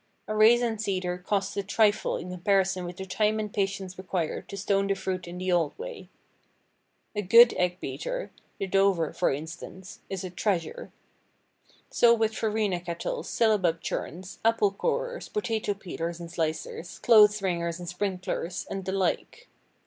A raisin seeder costs a trifle in comparison with the time and patience required to stone the fruit in the old way. A good egg beater—the Dover, for instance—is a treasure. So with farina kettles, syllabub churns, apple corers, potato peelers and slicers, clothes wringers and sprinklers, and the like.